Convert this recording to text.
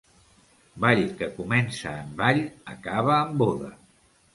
Ball que comença en ball, acaba en boda.